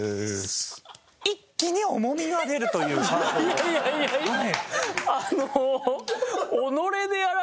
いやいやいやいやあの。